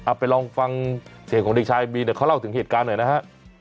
เอาไปลองฟังเสียงของดีของชายบีนเขาเล่าถึงเหตุการณ์หน่อยนะฮะ